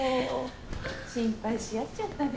心配し合っちゃったね。